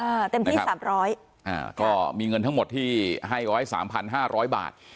เต็มที่สามร้อยอ่าก็มีเงินทั้งหมดที่ให้ร้อยสามพันห้าร้อยบาท